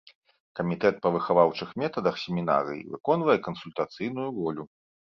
Камітэт па выхаваўчых метадах семінарыі выконвае кансультацыйную ролю.